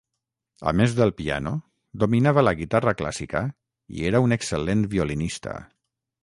A més del piano, dominava la guitarra clàssica i era un excel·lent violinista.